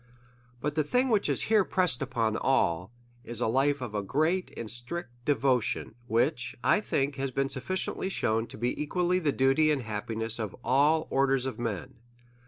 But the thing wisich is here pressed upon all, is, a life of great and strict devotion ; which, I think, has been sufficiently siiewn to be equally the duty and happiness of all orders of men.